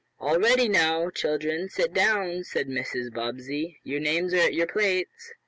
"All ready, now, children, sit down," said Mrs. Bobbsey. "Your names are at your plates."